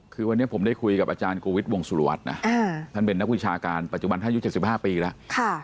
คือวันนี้ผมได้คุยกับอาจารย์กูวิทย์วงสุรวัตรนะท่านเป็นนักวิชาการปัจจุบันท่านอายุ๗๕ปีแล้ว